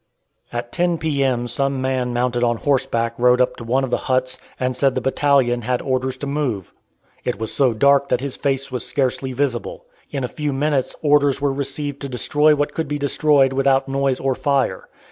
At ten P.M. some man mounted on horseback rode up to one of the huts, and said the battalion had orders to move. It was so dark that his face was scarcely visible. In a few minutes orders were received to destroy what could be destroyed without noise or fire.